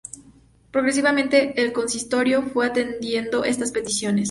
Progresivamente, el consistorio fue atendiendo estas peticiones.